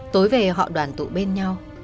tối về họ đoàn tụ bên nhau